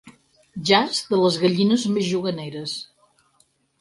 Jaç de les gallines més juganeres.